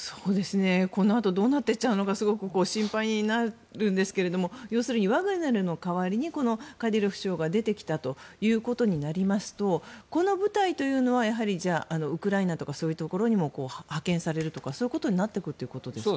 このあとどうなっていっちゃうのかすごく心配になるんですけれども要するに、ワグネルの代わりにカディロフ首長が出てきたということになりますとこの部隊というのはウクライナとかそういうところにも派遣されるということになっていくんですか？